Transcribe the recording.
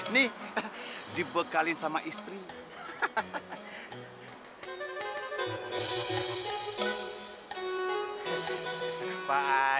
nih dibekali sama istri hahaha